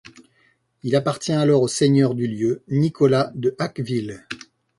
Il appartient alors au seigneur du lieu, Nicolas de Hacqueville.